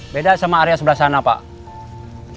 beda sama area sebelah sana pak